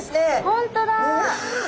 本当だ！